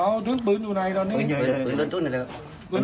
เอาถึงปืนอยู่ไหนตอนนี้ปืนปืนล้นซุ้นได้เลย